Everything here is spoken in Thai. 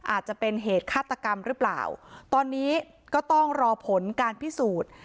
อาจจะเป็นเหตุฆาตกรรมหรือเปล่าตอนนี้ก็ต้องรอผลการพิสูจน์